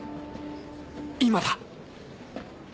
今だ！